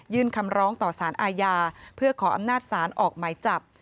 คำร้องต่อสารอาญาเพื่อขออำนาจศาลออกหมายจับ